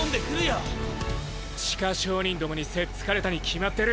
地下商人どもにせっつかれたに決まってる。